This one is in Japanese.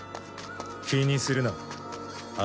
気にするなあ